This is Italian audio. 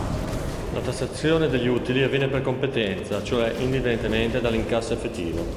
La tassazione degli utili avviene per competenza, cioè, indipendentemente dall'incasso effettivo.